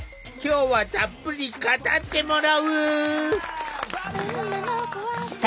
今日はたっぷり語ってもらう。